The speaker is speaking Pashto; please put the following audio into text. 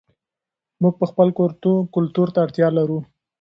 موږ خپل کلتور ته اړتیا لرو.